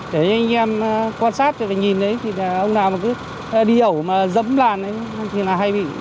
để anh em quan sát nhìn thì ông nào đi ẩu mà dẫm làn thì hay bị